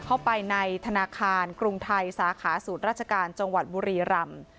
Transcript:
เข้าไปในธนาคารกรุงไทยสาขาศูนย์ราชการจังหวัดบุรีรำ